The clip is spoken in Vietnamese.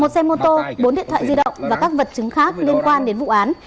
một xe mô tô bốn điện thoại di động và các vật chứng khác liên quan đến vụ án